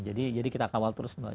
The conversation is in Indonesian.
jadi kita kawal terus mbak